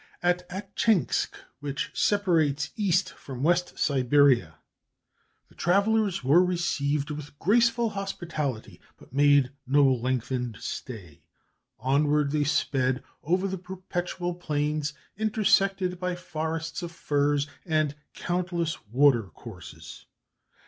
At Atchinsk, which separates East from West Siberia, the travellers were received with graceful hospitality, but made no lengthened stay. Onward they sped, over the perpetual plains, intersected by forests of firs and countless water courses.